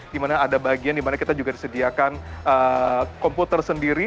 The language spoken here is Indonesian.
di mana ada bagian di mana kita juga disediakan komputer sendiri